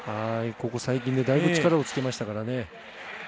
ここ最近でだいぶ力をつけましたから。